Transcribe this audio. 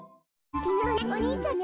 きのうねお兄ちゃんがね